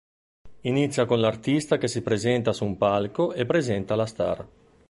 Inizia con l'artista che si presenta su un palco e presenta la star.